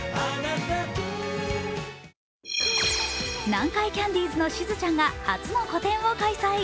南海キャンディーズのしずちゃんが初の個展を開催。